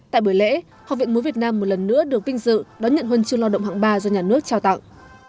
tại buổi lễ học viện múa việt nam một lần nữa được vinh dự đón nhận huân chương lao động hạng ba do nhà nước trao tặng